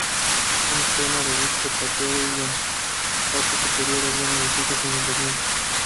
Tiene forma de disco plateado y en su parte superior había edificios independientes.